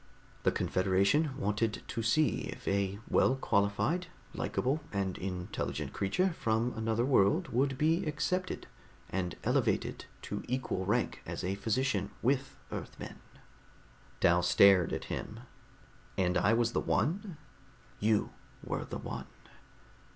The Confederation wanted to see if a well qualified, likeable and intelligent creature from another world would be accepted and elevated to equal rank as a physician with Earthmen." Dal stared at him. "And I was the one?" "You were the one.